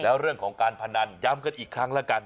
แล้วเรื่องของการพนันย้ำกันอีกครั้งแล้วกัน